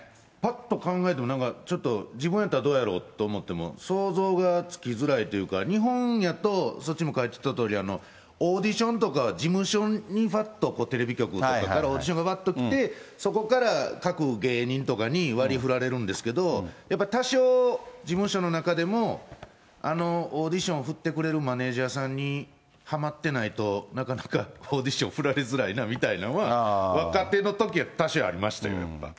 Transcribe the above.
ぱっと考えても、なんかちょっと自分やったらどうやろうと思っても、想像がつきづらいというか日本やと、そっちにも書いてあったとおり、オーディションとか事務所にふわっとテレビ局とかからオーディションがうわっと来て、そこから各芸人とかに割り振られるんですけど、やっぱり多少、事務所の中でも、あのオーディション振ってくれるマネージャーさんにはまってないと、なかなかオーディションふられづらいというのは若手のとき、多少ありましたよ、